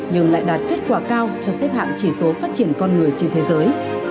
nhưng lại đạt kết quả cao cho xếp hạng chỉ số phát triển con người trên thế giới